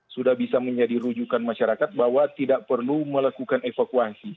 sudah bisa menjadi rujukan masyarakat bahwa tidak perlu melakukan evakuasi